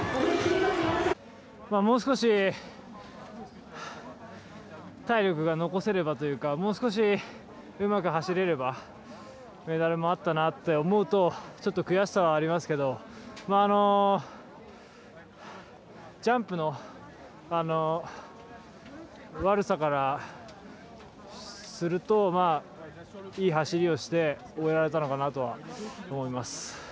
もう少し体力が残せればというかもう少しうまく走れればメダルもあったなと思うとちょっと悔しさはありますけどジャンプの悪さからすると、いい走りをして終えられたのかなとは思います。